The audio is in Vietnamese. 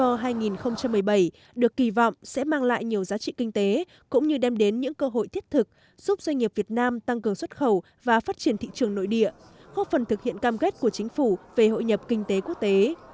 hội trợ thương mại quốc tế việt nam việt nam expo hai nghìn một mươi bảy được kỳ vọng sẽ mang lại nhiều giá trị kinh tế cũng như đem đến những cơ hội thiết thực giúp doanh nghiệp việt nam tăng cường xuất khẩu và phát triển thị trường nội địa góp phần thực hiện cam kết của chính phủ về hội nhập kinh tế quốc tế